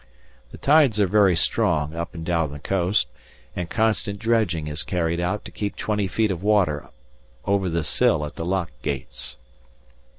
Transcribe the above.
The tides are very strong up and down the coast, and constant dredging is carried out to keep 20 feet of water over the sill at the lock gates.